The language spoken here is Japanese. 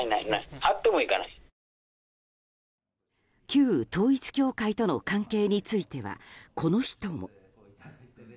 旧統一教会との関係についてはこの人も。